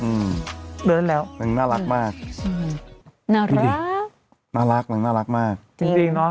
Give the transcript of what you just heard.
อืมเดินแล้วน่ารักมากน่ารักน่ารักน่ารักมากจริงจริงเนอะ